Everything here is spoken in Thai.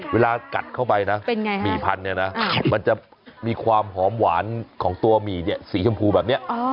เวลากัดเข้าไปนะหมี่พันธุเนี่ยนะมันจะมีความหอมหวานของตัวหมี่เนี่ยสีชมพูแบบนี้